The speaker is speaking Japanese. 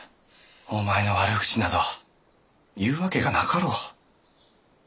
お前の悪口など言うわけがなかろう。